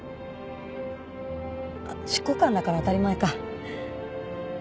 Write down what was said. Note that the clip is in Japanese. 執行官だから当たり前か。